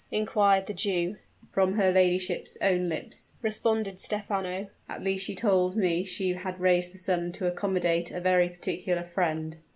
inquired the Jew. "From her ladyship's own lips," responded Stephano. "At least she told me she had raised the sum to accommodate a very particular friend.